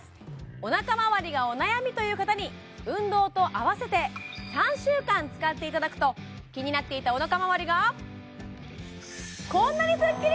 お腹まわりがお悩みという方に運動と併せて３週間使っていただくと気になっていたお腹まわりがこんなにスッキリ！